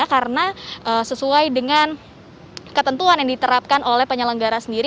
karena sesuai dengan ketentuan yang diterapkan oleh penyelenggara sendiri